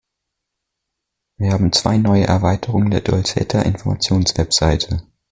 Wir haben zwei neue Erweiterungen der Dolceta-Informationswebsite.